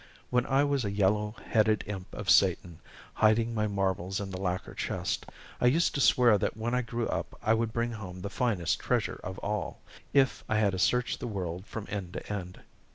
When I was a yellow headed imp of Satan, hiding my marbles in the lacquer chest, I used to swear that when I grew up I would bring home the finest treasure of all, if I had to search the world from end to end.